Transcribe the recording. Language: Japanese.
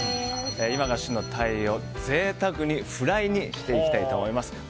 今が旬の鯛を贅沢にフライにしていきたいと思います。